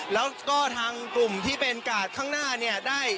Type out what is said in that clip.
แล้วก็ทางกลุ่มที่เป็นกาดข้างหน้าเนี่ยได้